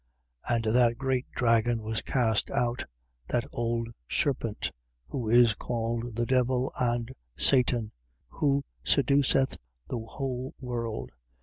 12:9. And that great dragon was cast out, that old serpent, who is called the devil and Satan, who seduceth the whole world.